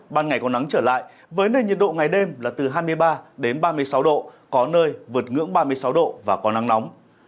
ban ngày có nắng trở lại với nền nhiệt độ ngày đêm là từ hai mươi ba đến ba mươi sáu độ có nơi vượt ngưỡng ba mươi sáu độ và có nắng nóng